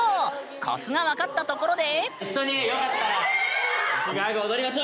コツが分かったところで。